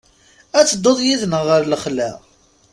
Ad tedduḍ yid-neɣ ɣer lexla?